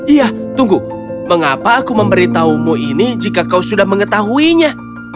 iya tunggu mengapa aku memberitahumu ini jika kau sudah mengetahuinya